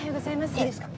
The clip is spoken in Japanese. いいですか？